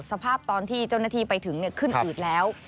สภาพตอนที่เจ้าหน้าที่ไปถึงขึ้นอืดแล้ว